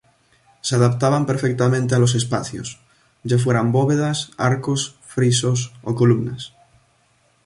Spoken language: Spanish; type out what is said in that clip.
Se adaptaban perfectamente a los espacios, ya fueran bóvedas, arcos, frisos o columnas.